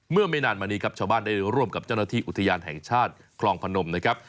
ไม่นานมานี้ครับชาวบ้านได้ร่วมกับเจ้าหน้าที่อุทยานแห่งชาติคลองพนมนะครับ